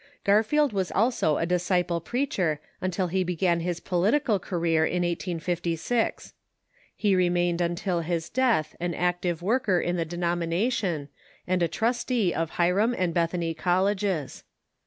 Garfield was also a Disciple preacher until he began his political career in 1856. He remained until bis death an active worker in the denomination, and a trustee of Hiram and Bethany colleges.